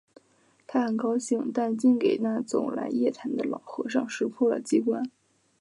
他很高兴；但竟给那走来夜谈的老和尚识破了机关